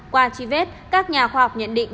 qua truy vết các nhà khoa học nhận định